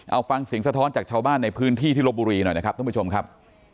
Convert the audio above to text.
เอาฟังเสียงสะท้อนจากชาวบ้านในพื้นที่ที่ลบบุรีหน่อยนะครับท่านผู้ชมครับ